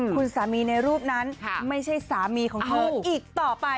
คุณสามีในรูปนั้นไม่ใช่สามีของเธออีกต่อไป